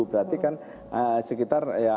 berarti kan sekitar ya